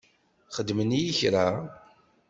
Xedmen-iyi kra?